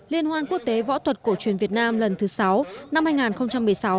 liên hoan quốc tế võ thuật cổ truyền việt nam lần thứ sáu năm hai nghìn một mươi sáu